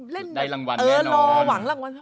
เล่นว่ารอหวังหวัง